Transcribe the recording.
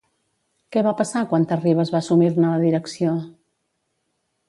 Què va passar quan Terribas va assumir-ne la direcció?